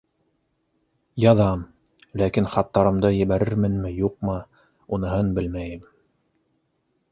Яҙам, ләкин хаттарымды ебәрерменме, юҡмы - уныһын белмәйем.